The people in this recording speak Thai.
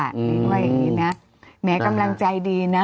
นิ้งก็ว่าอย่างงี้นะไหนกำลังใจดีนะ